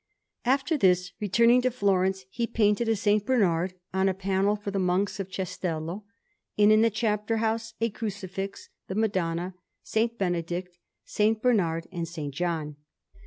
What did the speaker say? After this, returning to Florence, he painted a S. Bernard on a panel for the Monks of Cestello, and in the chapter house a Crucifix, the Madonna, S. Benedict, S. Bernard, and S. John.